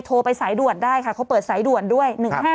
โทรไปสายด่วนได้ค่ะเขาเปิดสายด่วนด้วย๑๕๗